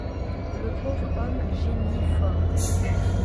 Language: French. Le pauvre homme geignit fort.